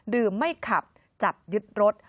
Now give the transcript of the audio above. ดื่มไม่ขับจับยึดรถ